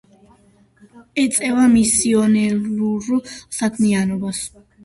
ეწევა მისიონერულ საქმიანობას.